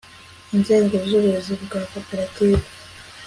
inzego z'ubuyobozi bwa koperative